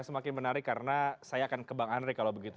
semakin menarik karena saya akan ke bang andre kalau begitu